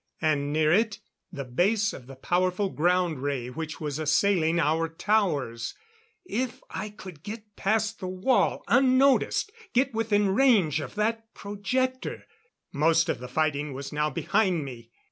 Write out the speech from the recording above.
And near it, the base of the powerful ground ray which was assailing our towers ... If I could get past the wall, unnoticed, get within range of that projector.... Most of the fighting was now behind me.